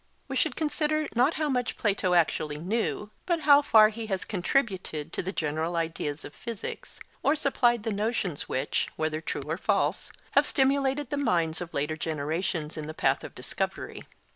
We should consider not how much Plato actually knew, but how far he has contributed to the general ideas of physics, or supplied the notions which, whether true or false, have stimulated the minds of later generations in the path of discovery.